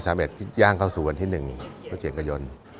ทราบมิตรย่างเข้าสู่วันที่หนึ่งฮุกเฉียงกะย้น